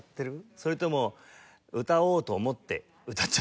それとも歌おうと思って歌っちゃってる？